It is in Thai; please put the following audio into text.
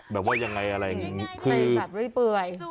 แบบว่ายังไงอะไรอย่างนี้